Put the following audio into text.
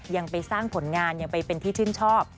ยังไปสร้างผลงานยังไปเป็นที่ชื่นชอบ